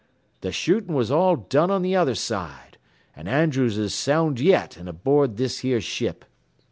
Th' shootin' was all done on th' other side, an' Andrews is sound yet an' aboard this here ship.